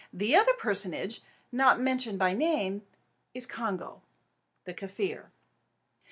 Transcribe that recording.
The other personage not mentioned by name is Congo, the Kaffir.